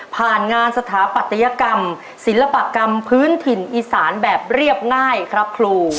งานสถาปัตยกรรมศิลปกรรมพื้นถิ่นอีสานแบบเรียบง่ายครับครู